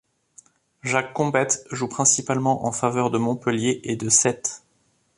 Jacques Combettes joue principalement en faveur de Montpellier et de Sète.